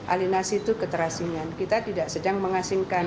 alinasi itu keterasingan kita tidak sedang mengasingkan